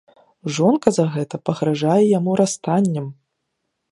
Жонка за гэта пагражае яму расстаннем!